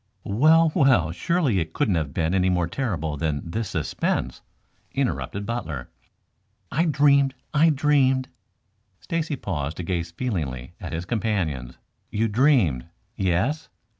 "Well, well, surely it couldn't have been any more terrible than this suspense," interrupted Butler. "I dreamed I dreamed " Stacy paused to gaze feelingly at his companions. "You dreamed? Yes?"